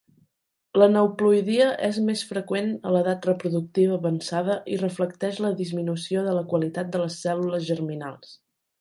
L'aneuploïdia és més freqüent a l'edat reproductiva avançada i reflecteix la disminució de la qualitat de les cèl·lules germinals.